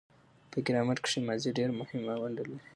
په ګرامر کښي ماضي ډېره مهمه ونډه لري.